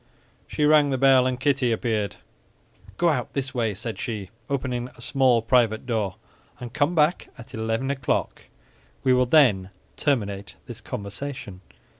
She rang the bell and Kitty appeared. "Go out this way," said she, opening a small private door, "and come back at eleven o'clock; we will then terminate this conversation.